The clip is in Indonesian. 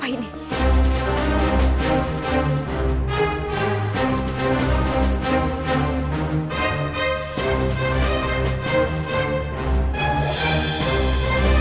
masih kelima kali difficult